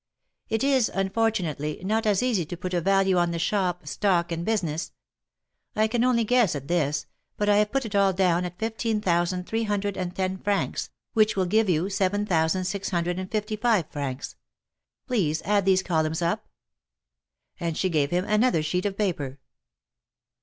"It is, unfortunately, not as easy to put a value on the shop, stock and business. I can only guess at this, but I have put it all down at fifteen thousand three hundred and ten francs, which will give you seven thousand six hundred and fifty five francs. Please add these columns up." And she gave him another sheet of paper.